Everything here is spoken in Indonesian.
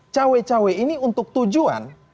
cewek cewek ini untuk tujuan